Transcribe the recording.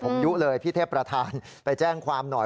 ผมยุเลยพี่เทพประธานไปแจ้งความหน่อย